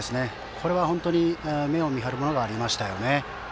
これは本当に目を見張るものがありましたよね。